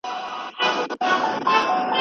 زرکاله مخکي ورته کوم بابا ښرا کړې ده